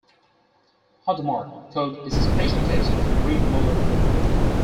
Hadamard code is a special case of Reed-Muller code.